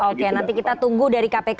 oke nanti kita tunggu dari kpk